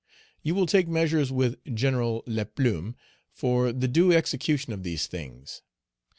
You will take measures with General Laplume, for the due execution of these things.